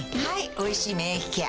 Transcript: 「おいしい免疫ケア」